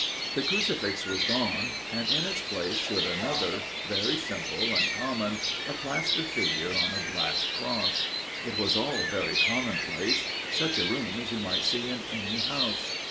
The crucifix was gone, and in its place stood another very simple and common a plaster figure on a black cross. It was all very commonplace such a room as you might see in any house.